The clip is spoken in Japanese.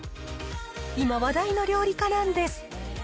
今話題の料理家なんです。